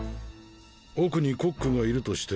奥にコックがいるとして。